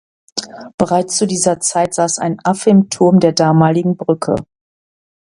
Bereits zu dieser Zeit saß ein Affe im Turm der damaligen Brücke.